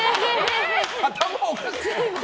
頭おかしい！